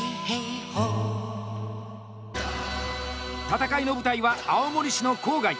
戦いの舞台は青森市の郊外。